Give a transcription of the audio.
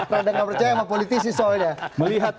rada nggak percaya sama politisi soalnya